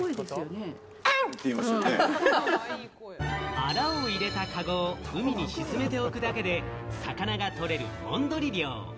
あらを入れたカゴを海に沈めておくだけで魚がとれる、もんどり漁。